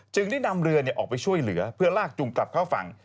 ได้นำเรือออกไปช่วยเหลือเพื่อลากจุงกลับเข้าฝั่ง